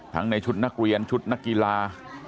ในชุดนักเรียนชุดนักกีฬา